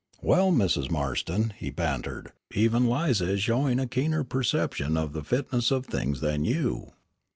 "Well, Mrs. Marston," he bantered, "even Lize is showing a keener perception of the fitness of things than you."